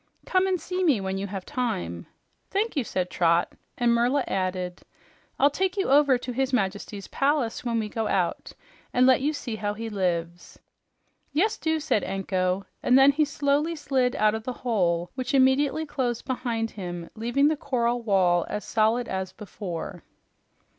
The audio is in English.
Come and see me when you have time." "Thank you," said Trot, and Merla added, "I'll take you over to his majesty's palace when we go out and let you see how he lives." "Yes, do," said Anko. And then he slowly slid out of the hole, which immediately closed behind him, leaving the coral wall as solid as before.